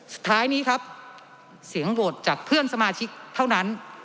สุดท้ายนี้ครับเสียงโหวตจากเพื่อนสมาชิกเท่านั้น